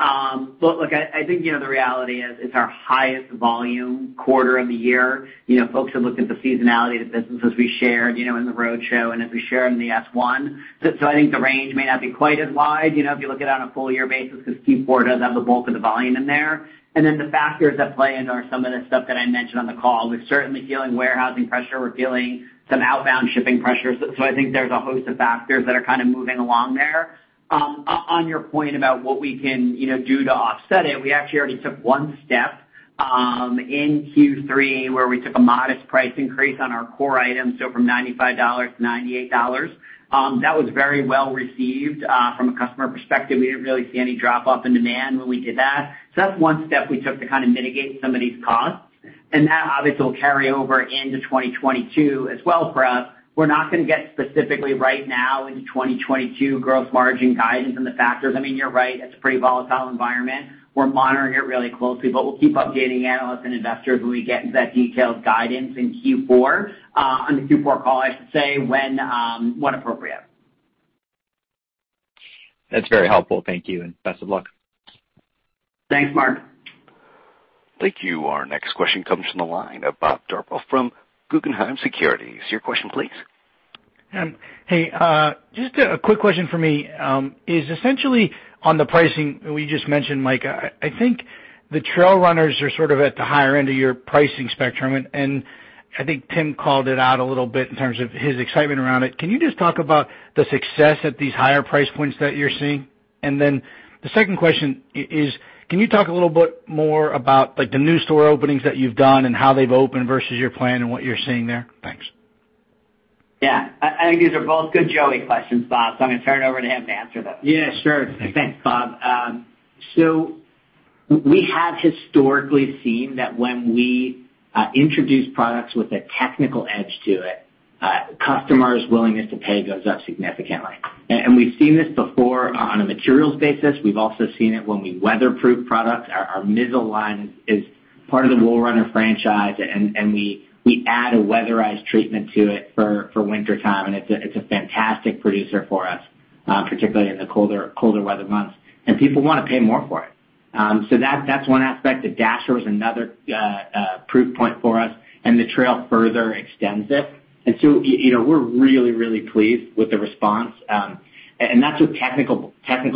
look, I think, you know, the reality is it's our highest volume quarter of the year. You know, folks have looked at the seasonality of the business as we shared, you know, in the roadshow and as we share in the S1. I think the range may not be quite as wide, you know, if you look at it on a full year basis, 'cause Q4 does have the bulk of the volume in there. The factors at play are some of the stuff that I mentioned on the call. We're certainly feeling warehousing pressure. We're feeling some outbound shipping pressures. I think there's a host of factors that are kinda moving along there. On your point about what we can, you know, do to offset it, we actually already took one step. In Q3 where we took a modest price increase on our core items, so from $95 to $98, that was very well received from a customer perspective. We didn't really see any drop off in demand when we did that. That's one step we took to kind of mitigate some of these costs. That obviously will carry over into 2022 as well for us. We're not gonna get specifically right now into 2022 growth margin guidance and the factors. I mean, you're right, it's a pretty volatile environment. We're monitoring it really closely, but we'll keep updating analysts and investors when we get into that detailed guidance in Q4 on the Q4 call, I should say, when appropriate. That's very helpful. Thank you, and best of luck. Thanks, Mark. Thank you. Our next question comes from the line of Bob Drbul from Guggenheim Securities. Your question please. Hey, just a quick question for me, is essentially on the pricing we just mentioned, Mike. I think the Trail Runner are sort of at the higher end of your pricing spectrum. I think Tim called it out a little bit in terms of his excitement around it. Can you just talk about the success at these higher price points that you're seeing? The second question is can you talk a little bit more about like the new store openings that you've done and how they've opened versus your plan and what you're seeing there? Thanks. Yeah. I think these are both good Joey questions, Bob, so I'm gonna turn it over to him to answer them. Yeah, sure. Thanks,. Bob. We have historically seen that when we introduce products with a technical edge to it, customers' willingness to pay goes up significantly. We've seen this before on a materials basis. We've also seen it when we weatherproof products. Our Mizzle line is part of the Wool Runner franchise, and we add a weatherized treatment to it for wintertime, and it's a fantastic producer for us, particularly in the colder weather months. People wanna pay more for it. That's one aspect. The Dasher was another proof point for us, and the Trail further extends it. You know, we're really pleased with the response. That's with technical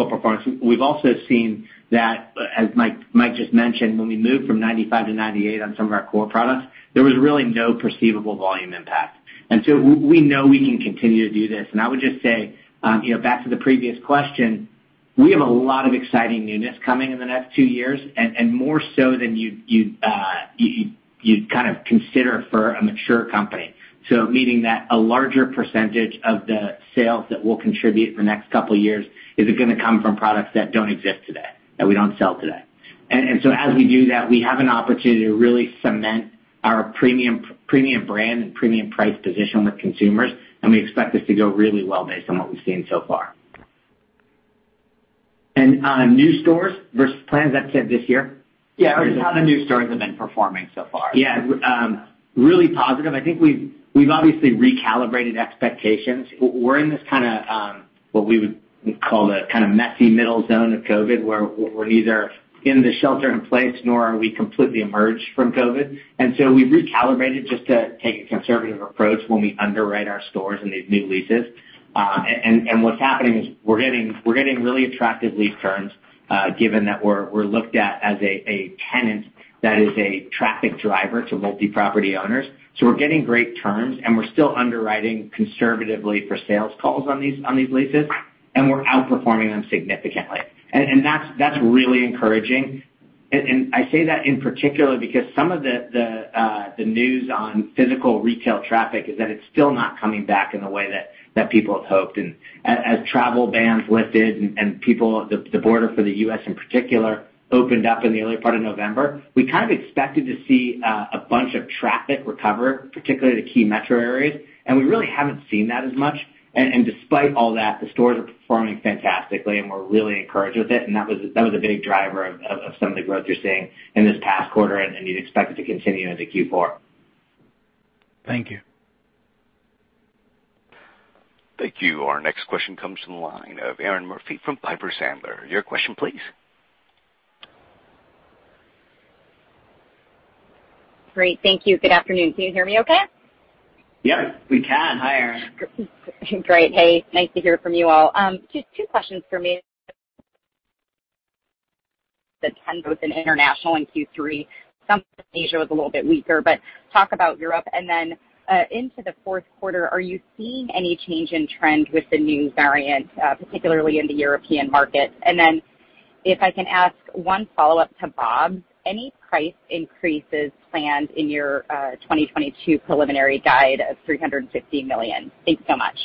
performance. We've also seen that, as Mike just mentioned, when we moved from 95 to 98 on some of our core products, there was really no perceivable volume impact. We know we can continue to do this. I would just say, you know, back to the previous question, we have a lot of exciting newness coming in the next two years and more so than you'd kind of consider for a mature company. Meaning that a larger percentage of the sales that we'll contribute for the next couple years is gonna come from products that don't exist today, that we don't sell today. As we do that, we have an opportunity to really cement our premium brand and premium price position with consumers, and we expect this to go really well based on what we've seen so far. New stores versus plans that said this year? Yeah. How the new stores have been performing so far. Yeah. Really positive. I think we've obviously recalibrated expectations. We're in this kinda what we would call the kinda messy middle zone of COVID, where we're neither in the shelter in place nor are we completely emerged from COVID. We've recalibrated just to take a conservative approach when we underwrite our stores in these new leases. What's happening is we're getting really attractive lease terms, given that we're looked at as a tenant that is a traffic driver to multi-property owners. We're getting great terms, and we're still underwriting conservatively for sales calls on these leases, and we're outperforming them significantly. That's really encouraging. I say that in particular because some of the news on physical retail traffic is that it's still not coming back in the way that people have hoped. As travel bans lifted and people at the border for the U.S. in particular opened up in the early part of November, we kind of expected to see a bunch of traffic recover, particularly the key metro areas, and we really haven't seen that as much. Despite all that, the stores are performing fantastically, and we're really encouraged with it. That was a big driver of some of the growth you're seeing in this past quarter, and you'd expect it to continue into Q4. Thank you. Thank you. Our next question comes from the line of Erinn Murphy from Piper Sandler. Your question please. Great. Thank you. Good afternoon. Can you hear me okay? Yeah, we can. Hi, Erinn. Great. Hey, nice to hear from you all. Just two questions for me. The trends both in international in Q3, some of Asia was a little bit weaker, but talk about Europe. Into the fourth quarter, are you seeing any change in trend with the new variant, particularly in the European market? If I can ask one follow-up to Bob, any price increases planned in your 2022 preliminary guide of $350 million? Thanks so much.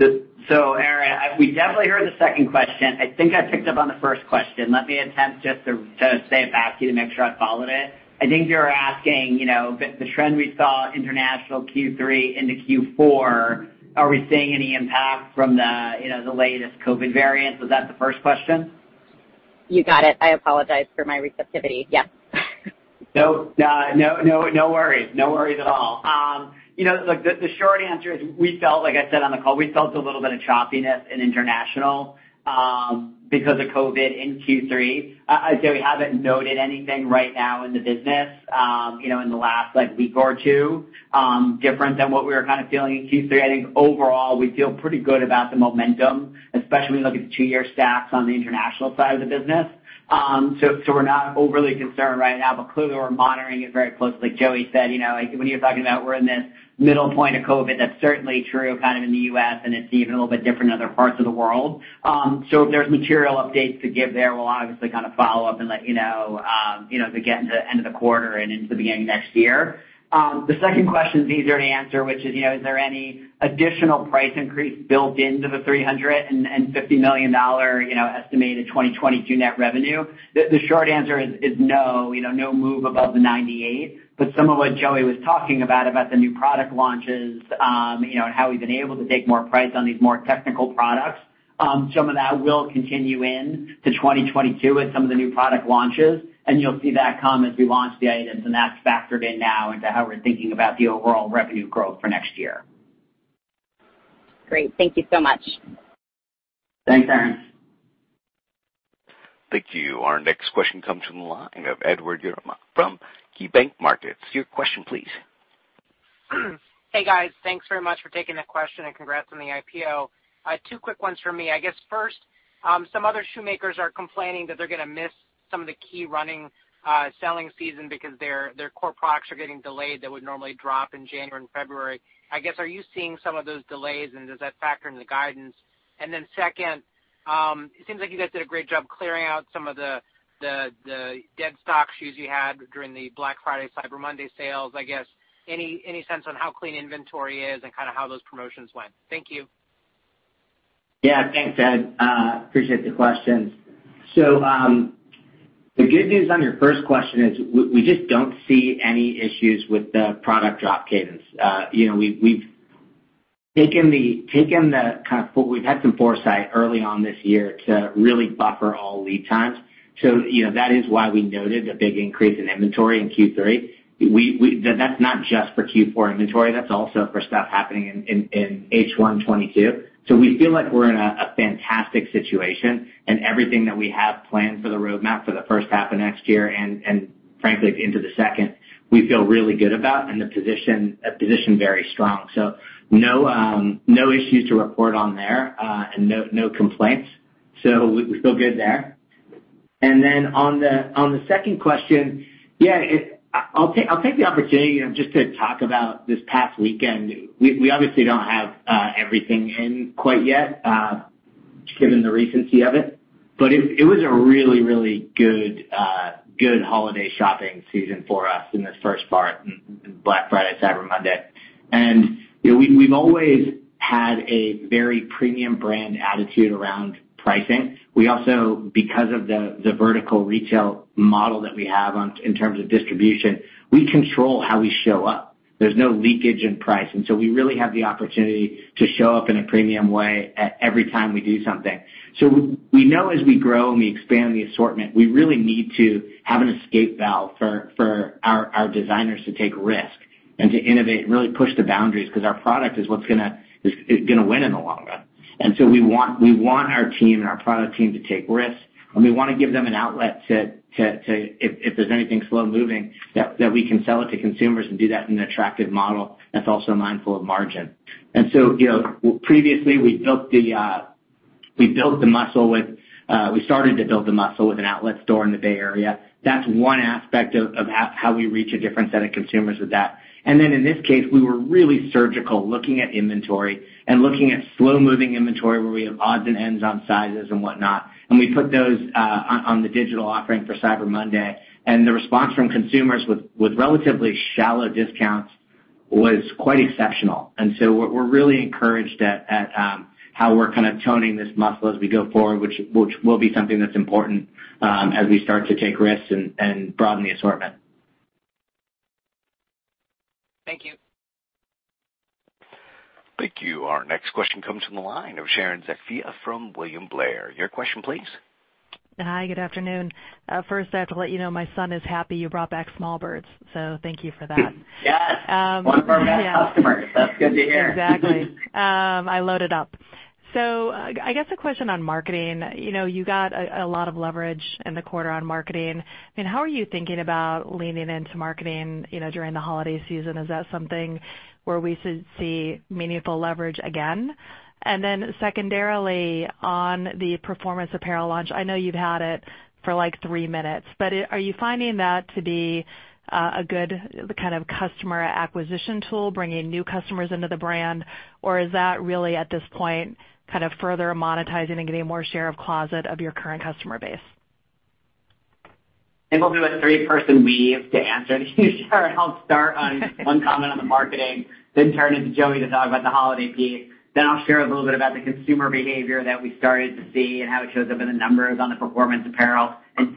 Erinn, we definitely heard the second question. I think I picked up on the first question. Let me attempt just to say it back to you to make sure I followed it. I think you're asking, you know, the trend we saw international Q3 into Q4, are we seeing any impact from the, you know, the latest COVID variant? Was that the first question? You got it. I apologize for my receptivity. Yes. No worries. No worries at all. You know, look, the short answer is we felt, like I said on the call, a little bit of choppiness in international because of COVID in Q3. I'd say we haven't noted anything right now in the business, you know, in the last, like, week or two, different than what we were kinda feeling in Q3. I think overall we feel pretty good about the momentum, especially when you look at the two-year stacks on the international side of the business. So we're not overly concerned right now, but clearly we're monitoring it very closely. Joey said, you know, when you're talking about we're in this middle point of COVID, that's certainly true kind of in the U.S. and it's even a little bit different in other parts of the world. So if there's material updates to give there, we'll obviously kind of follow up and let you know, you know, as we get into the end of the quarter and into the beginning of next year. The second question is easier to answer, which is, you know, is there any additional price increase built into the $350 million, you know, estimated 2022 net revenue? The short answer is no, you know, no move above the 98. Some of what Joey was talking about the new product launches, you know, and how we've been able to take more price on these more technical products, some of that will continue into 2022 with some of the new product launches, and you'll see that come as we launch the items. That's factored in now into how we're thinking about the overall revenue growth for next year. Great. Thank you so much. Thanks, Erinn. Thank you. Our next question comes from the line of Edward Yruma from KeyBanc Markets. Your question please. Hey, guys. Thanks very much for taking the question and congrats on the IPO. I have two quick ones for me. I guess first, some other shoemakers are complaining that they're gonna miss some of the key running selling season because their core products are getting delayed that would normally drop in January and February. I guess, are you seeing some of those delays, and does that factor in the guidance? Then second, it seems like you guys did a great job clearing out some of the deadstock shoes you had during the Black Friday, Cyber Monday sales. I guess any sense on how clean inventory is and kinda how those promotions went? Thank you. Yeah. Thanks, Ed. Appreciate the questions. The good news on your first question is we just don't see any issues with the product drop cadence. You know, we've had some foresight early on this year to really buffer all lead times. That is why we noted a big increase in inventory in Q3. That's not just for Q4 inventory, that's also for stuff happening in H1 2022. We feel like we're in a fantastic situation, and everything that we have planned for the roadmap for the first half of next year and frankly into the second, we feel really good about and a very strong position. No issues to report on there, and no complaints. We feel good there. On the second question, I'll take the opportunity, you know, just to talk about this past weekend. We obviously don't have everything in quite yet, given the recency of it. It was a really good holiday shopping season for us in this first part in Black Friday, Cyber Monday. You know, we've always had a very premium brand attitude around pricing. We also, because of the vertical retail model that we have in terms of distribution, we control how we show up. There's no leakage in price, and so we really have the opportunity to show up in a premium way at every time we do something. We know as we grow and we expand the assortment, we really need to have an escape valve for our designers to take risks and to innovate and really push the boundaries because our product is what's gonna win in the long run. We want our team and our product team to take risks, and we wanna give them an outlet to if there's anything slow-moving, that we can sell it to consumers and do that in an attractive model that's also mindful of margin. You know, previously, we started to build the muscle with an outlet store in the Bay Area. That's one aspect of how we reach a different set of consumers with that. In this case, we were really surgically looking at inventory and looking at slow-moving inventory where we have odds and ends on sizes and whatnot, and we put those on the digital offering for Cyber Monday. The response from consumers with relatively shallow discounts was quite exceptional. We're really encouraged at how we're kind of honing this muscle as we go forward, which will be something that's important as we start to take risks and broaden the assortment. Thank you. Thank you. Our next question comes from the line of Sharon Zackfia from William Blair. Your question please. Hi, good afternoon. First I have to let you know my son is happy you brought back Smallbirds, so thank you for that. Yes. Yeah. One of our best customers. That's good to hear. Exactly. I loaded up. I guess a question on marketing. You know, you got a lot of leverage in the quarter on marketing. I mean, how are you thinking about leaning into marketing, you know, during the holiday season? Is that something where we should see meaningful leverage again? Then secondarily, on the performance apparel launch, I know you've had it for like three minutes, but are you finding that to be a good kind of customer acquisition tool, bringing new customers into the brand? Or is that really at this point, kind of further monetizing and getting more share of closet of your current customer base? I think we'll do a three-person weave to answer these. I'll start on one comment on the marketing, then turn it to Joey to talk about the holiday peak. Then I'll share a little bit about the consumer behavior that we started to see and how it shows up in the numbers on the performance apparel.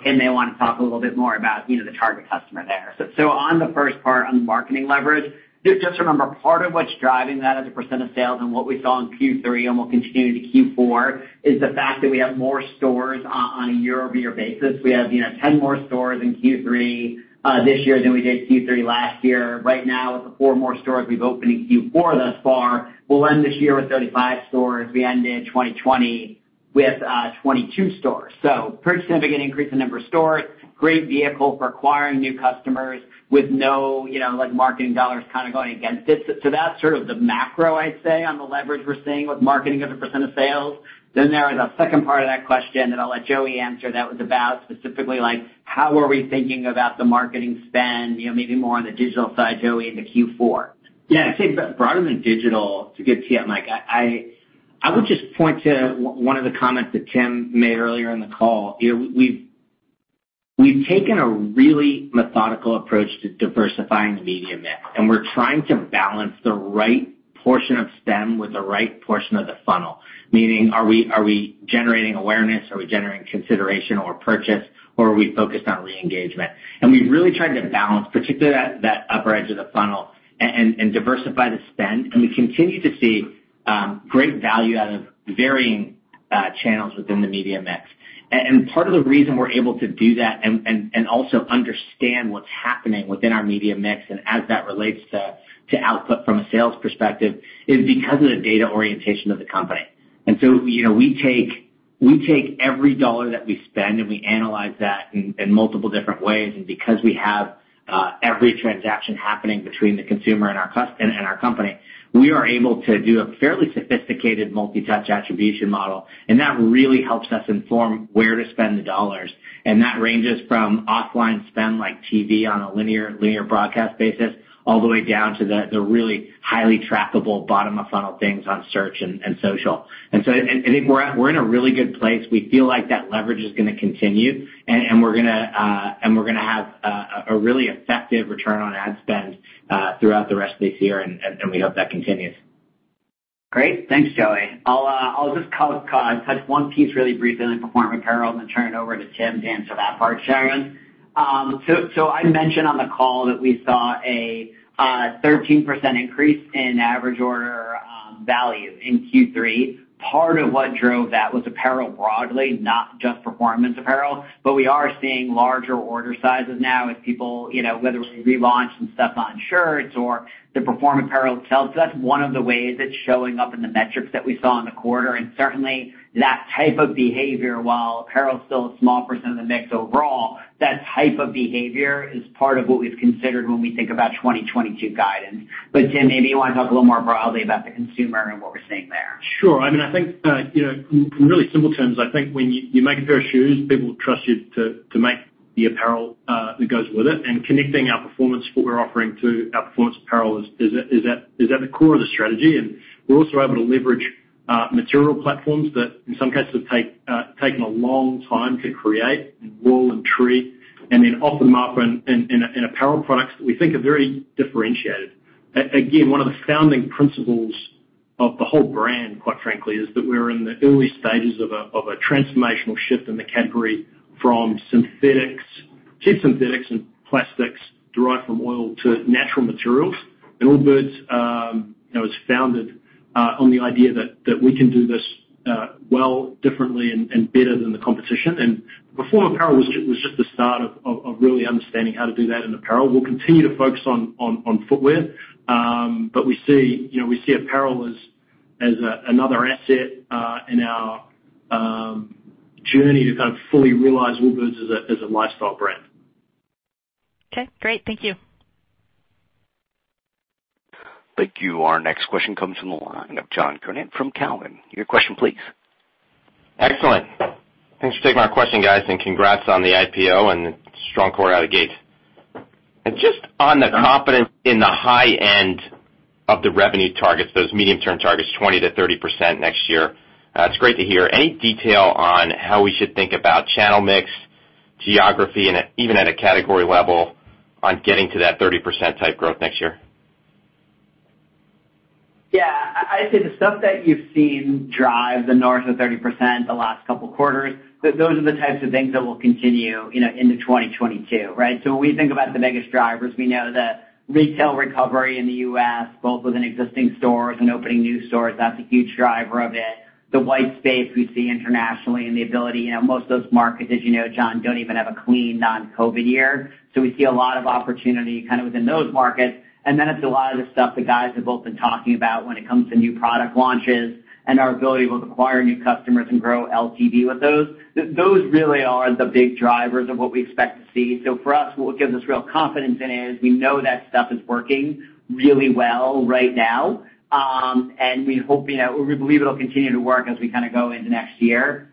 They wanna talk a little bit more about, you know, the target customer there. On the first part on the marketing leverage, just remember, part of what's driving that as a percent of sales and what we saw in Q3 and will continue into Q4 is the fact that we have more stores on a year-over-year basis. We have, you know, 10 more stores in Q3 this year than we did Q3 last year. Right now. The four more stores we've opened in Q4 thus far. We'll end this year with 35 stores. We ended 2020 with 22 stores. Pretty significant increase in number of stores, great vehicle for acquiring new customers with no, you know, like, marketing dollars kind of going against this. That's sort of the macro, I'd say, on the leverage we're seeing with marketing as a percent of sales. There is a second part of that question that I'll let Joey answer that was about specifically like how are we thinking about the marketing spend, you know, maybe more on the digital side, Joey, into Q4. Yeah. I'd say broader than digital to get to Mike, I would just point to one of the comments that Tim made earlier in the call. You know, we've taken a really methodical approach to diversifying the media mix, and we're trying to balance the right portion of SEM with the right portion of the funnel. Meaning are we generating awareness, are we generating consideration or purchase, or are we focused on re-engagement? We really try to balance particularly that upper edge of the funnel and diversify the spend. We continue to see great value out of varying channels within the media mix. Part of the reason we're able to do that and also understand what's happening within our media mix and as that relates to output from a sales perspective is because of the data orientation of the company. You know, we take every dollar that we spend, and we analyze that in multiple different ways. Because we have every transaction happening between the consumer and our company, we are able to do a fairly sophisticated multi-touch attribution model, and that really helps us inform where to spend the dollars. That ranges from offline spend like TV on a linear broadcast basis, all the way down to the really highly trackable bottom of funnel things on search and social. I think we're in a really good place. We feel like that leverage is gonna continue, and we're gonna have a really effective return on ad spend throughout the rest of this year, and we hope that continues. Great. Thanks, Joey. I'll just kind of touch one piece really briefly on the performance apparel and then turn it over to Tim to answer that part, Sharon. I mentioned on the call that we saw a 13% increase in average order value in Q3. Part of what drove that was apparel broadly, not just performance apparel. We are seeing larger order sizes now as people you know, whether we relaunch some stuff on shirts or the performance apparel itself. That's one of the ways it's showing up in the metrics that we saw in the quarter. Certainly that type of behavior, while apparel is still a small percent of the mix overall, that type of behavior is part of what we've considered when we think about 2022 guidance. Tim, maybe you wanna talk a little more broadly about the consumer and what we're seeing there. Sure. I mean, I think in really simple terms, I think when you make a pair of shoes, people trust you to make the apparel that goes with it. Connecting our performance footwear offering to our performance apparel is at the core of the strategy. We're also able to leverage material platforms that in some cases have taken a long time to create in wool and tree and then offer them up in apparel products that we think are very differentiated. Again, one of the founding principles of the whole brand, quite frankly, is that we're in the early stages of a transformational shift in the category from synthetics, cheap synthetics and plastics derived from oil to natural materials. Allbirds, you know, is founded on the idea that we can do this well, differently and better than the competition. The performance apparel was just the start of really understanding how to do that in apparel. We'll continue to focus on footwear. But we see, you know, apparel as another asset in our journey to kind of fully realize Allbirds as a lifestyle brand. Okay, great. Thank you. Thank you. Our next question comes from the line of John Kernan from Cowen. Your question please. Excellent. Thanks for taking my question, guys, and congrats on the IPO and the strong quarter out of gates. Just on the confidence in the high end of the revenue targets, those medium-term targets, 20%-30% next year, it's great to hear. Any detail on how we should think about channel mix, geography and even at a category level on getting to that 30% type growth next year? Yeah. I'd say the stuff that you've seen drive the north of 30% the last couple of quarters, those are the types of things that will continue, you know, into 2022, right? When we think about the biggest drivers, we know the retail recovery in the U.S., both within existing stores and opening new stores, that's a huge driver of it. The white space we see internationally and the ability, you know, most of those markets, as you know, John, don't even have a clean non-COVID year. We see a lot of opportunity kind of within those markets. It's a lot of the stuff the guys have both been talking about when it comes to new product launches and our ability to acquire new customers and grow LTV with those. Those really are the big drivers of what we expect to see. For us, what gives us real confidence in it is we know that stuff is working really well right now. We hope, you know. We believe it'll continue to work as we kinda go into next year.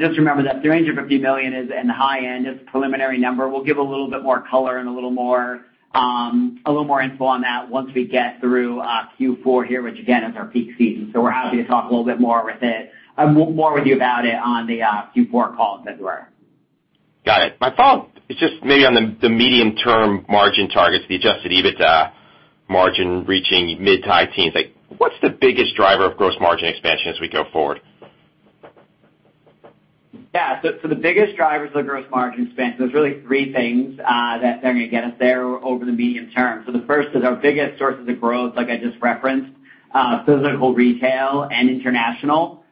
Just remember that $350 million is in the high end. It's a preliminary number. We'll give a little bit more color and a little more info on that once we get through Q4 here, which again, is our peak season. We're happy to talk a little bit more with you about it on the Q4 call in February. Got it. My follow-up is just maybe on the medium-term margin targets, the adjusted EBITDA margin reaching mid- to high-teens. Like, what's the biggest driver of gross margin expansion as we go forward? Yeah. The biggest drivers of the gross margin expansion, there's really three things that are gonna get us there over the medium term. The first is our biggest sources of growth, like I just referenced. Physical retail and international,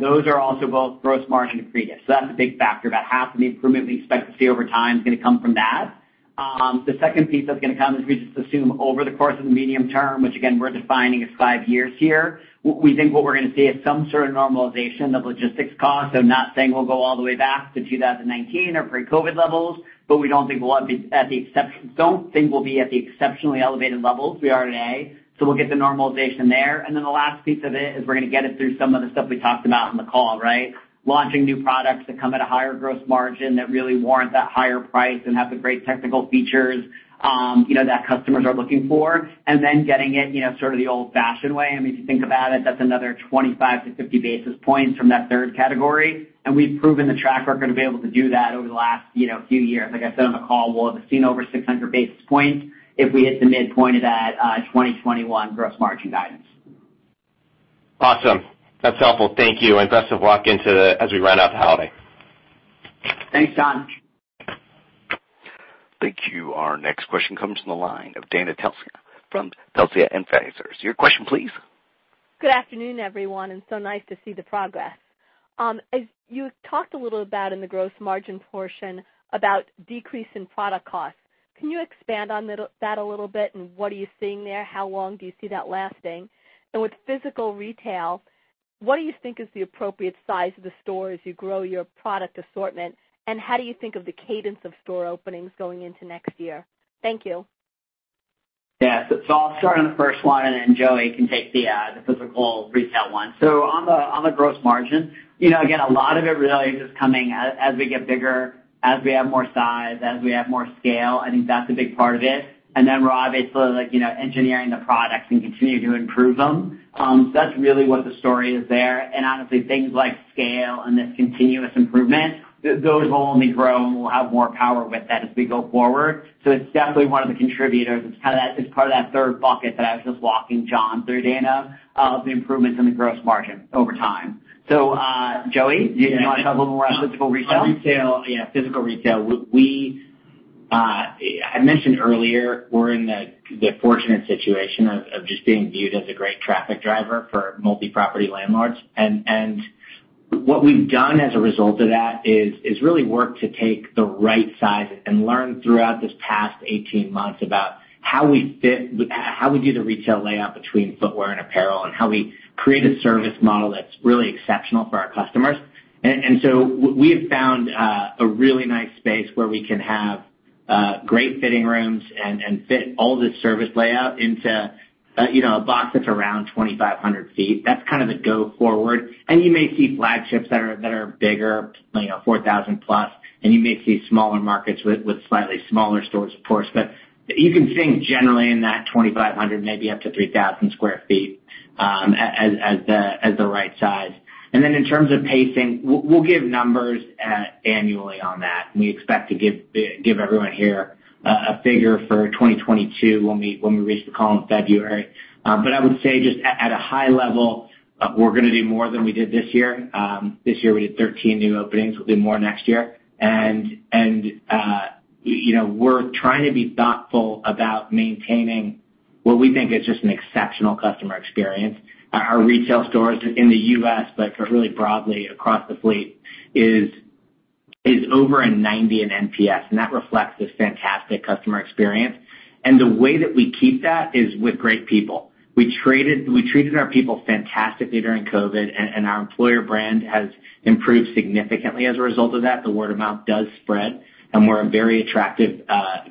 those are also both gross margin accretive. That's a big factor. About half of the improvement we expect to see over time is gonna come from that. The second piece that's gonna come is we just assume over the course of the medium term, which again we're defining as five years here, we think what we're gonna see is some sort of normalization of logistics costs. Not saying we'll go all the way back to 2019 or pre-COVID levels, but we don't think we'll be at the exceptionally elevated levels we are today. We'll get the normalization there. Then the last piece of it is we're gonna get it through some of the stuff we talked about on the call, right? Launching new products that come at a higher gross margin that really warrant that higher price and have the great technical features, you know, that customers are looking for, and then getting it, you know, sort of the old-fashioned way. I mean, if you think about it, that's another 25-50 basis points from that third category, and we've proven the track record to be able to do that over the last, you know, few years. Like I said on the call, we'll have seen over 600 basis points if we hit the midpoint of that, 2021 gross margin guidance. Awesome. That's helpful. Thank you, and best of luck as we round out the holiday. Thanks, John. Thank you. Our next question comes from the line of Dana Telsey from Telsey Advisory. Your question please. Good afternoon, everyone, and so nice to see the progress. As you talked a little about in the gross margin portion about decrease in product costs, can you expand on that a little bit and what are you seeing there? How long do you see that lasting? With physical retail, what do you think is the appropriate size of the store as you grow your product assortment, and how do you think of the cadence of store openings going into next year? Thank you. Yeah. I'll start on the first one, and then Joey can take the physical retail one. On the gross margin, you know, again, a lot of it really is just coming as we get bigger, as we have more size, as we have more scale. I think that's a big part of it. We're obviously like, you know, engineering the products and continue to improve them. That's really what the story is there. Honestly, things like scale and this continuous improvement, those will only grow, and we'll have more power with that as we go forward. It's definitely one of the contributors. It's kind of that. It's part of that third bucket that I was just walking John through, Dana, of the improvements in the gross margin over time. Joey, do you wanna talk a little more on physical retail? On retail, yeah, physical retail. We, I mentioned earlier, we're in the fortunate situation of just being viewed as a great traffic driver for multi-property landlords. What we've done as a result of that is really work to take the right size and learn throughout this past 18 months about how we do the retail layout between footwear and apparel, and how we create a service model that's really exceptional for our customers. We have found a really nice space where we can have great fitting rooms and fit all the service layout into, you know, a box that's around 2,500 sq ft. That's kind of the go forward. You may see flagships that are bigger, you know, 4,000+, and you may see smaller markets with slightly smaller stores, of course. You can think generally in that 2,500, maybe up to 3,000 sq ft, as the right size. In terms of pacing, we'll give numbers annually on that. We expect to give everyone here a figure for 2022 when we reach the call in February. I would say just at a high level, we're gonna do more than we did this year. This year we did 13 new openings. We'll do more next year. We're trying to be thoughtful about maintaining what we think is just an exceptional customer experience. Our retail stores in the U.S., but really broadly across the fleet is over a 90 in NPS, and that reflects this fantastic customer experience. The way that we keep that is with great people. We treated our people fantastically during COVID, and our employer brand has improved significantly as a result of that. The word of mouth does spread, and we're a very attractive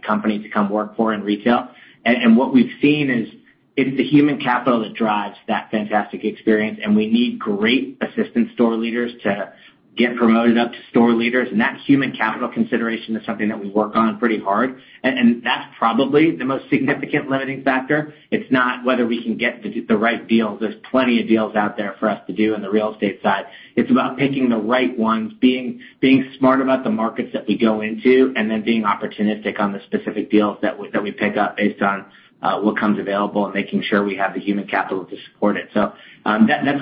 company to come work for in retail. What we've seen is it's the human capital that drives that fantastic experience, and we need great assistant store leaders to get promoted up to store leaders. That human capital consideration is something that we work on pretty hard. That's probably the most significant limiting factor. It's not whether we can get the right deals. There's plenty of deals out there for us to do on the real estate side. It's about picking the right ones, being smart about the markets that we go into, and then being opportunistic on the specific deals that we pick up based on what becomes available and making sure we have the human capital to support it. That's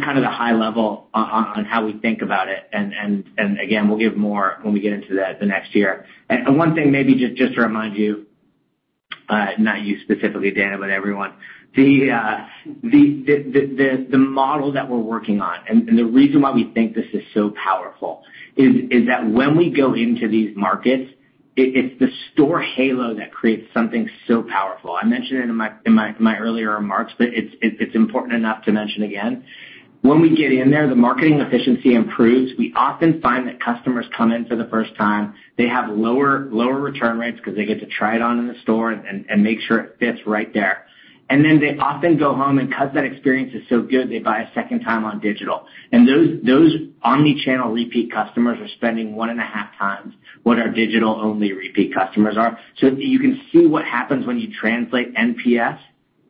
kind of the high level on how we think about it. Again, we'll give more when we get into the next year. One thing maybe just to remind you, not you specifically, Dana, but everyone. The model that we're working on and the reason why we think this is so powerful is that when we go into these markets, it's the store halo that creates something so powerful. I mentioned it in my earlier remarks, but it's important enough to mention again. When we get in there, the marketing efficiency improves. We often find that customers come in for the first time. They have lower return rates because they get to try it on in the store and make sure it fits right there. They often go home, and 'cause that experience is so good, they buy a second time on digital. Those omni-channel repeat customers are spending one and a half times what our digital-only repeat customers are. You can see what happens when you translate NPS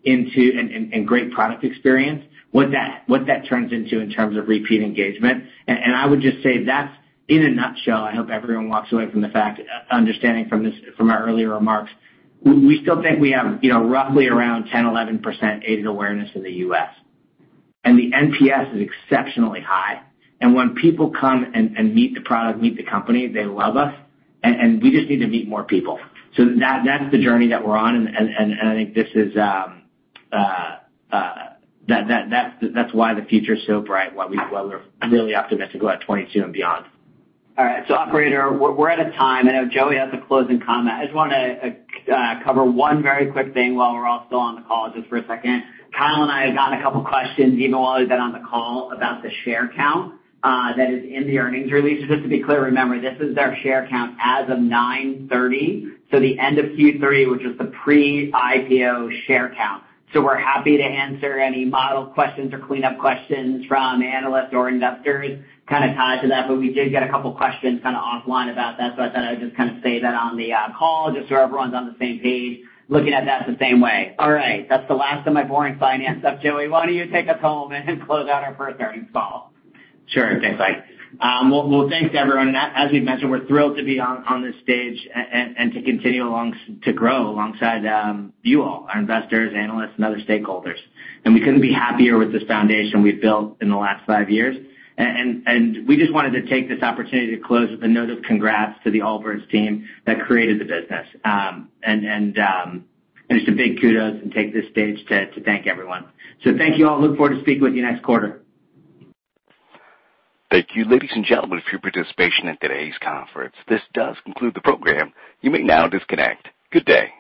into and great product experience, what that turns into in terms of repeat engagement. I would just say that's in a nutshell. I hope everyone walks away understanding from our earlier remarks. We still think we have, you know, roughly around 10%-11% aided awareness in the U.S., and the NPS is exceptionally high. When people come and meet the product, meet the company, they love us, and we just need to meet more people. That's the journey that we're on. I think that's why the future's so bright, why we're really optimistic about 2022 and beyond. All right. Operator, we're out of time. I know Joey has a closing comment. I just wanna cover one very quick thing while we're all still on the call just for a second. Kyle and I have gotten a couple questions even while he's been on the call about the share count that is in the earnings release. Just to be clear, remember, this is our share count as of 9/30, the end of Q3, which is the pre-IPO share count. We're happy to answer any model questions or cleanup questions from analysts or investors kind of tied to that, but we did get a couple questions kind of offline about that, so I thought I'd just kind of say that on the call just so everyone's on the same page, looking at that the same way. All right. That's the last of my boring finance stuff. Joey, why don't you take us home and close out our first earnings call? Sure thing, Mike. Well, thanks, everyone. As we've mentioned, we're thrilled to be on this stage and to grow alongside you all, our investors, analysts, and other stakeholders. We couldn't be happier with this foundation we've built in the last five years. We just wanted to take this opportunity to close with a note of congrats to the Allbirds team that created the business. Just a big kudos and take this stage to thank everyone. Thank you all. We look forward to speaking with you next quarter. Thank you. Ladies and gentlemen, for your participation in today's conference, this does conclude the program. You may now disconnect. Good day.